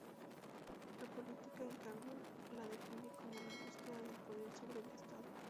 La política, en cambio, la define como la búsqueda del poder sobre el estado.